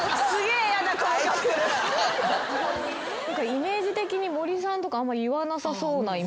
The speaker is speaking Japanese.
イメージ的に森さんとかあんま言わなさそうなイメージ。